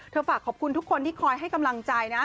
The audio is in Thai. ฝากขอบคุณทุกคนที่คอยให้กำลังใจนะ